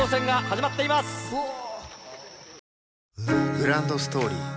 グランドストーリー